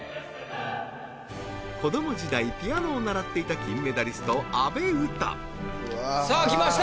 子ども時代ピアノを習っていた金メダリスト阿部詩さあ来ました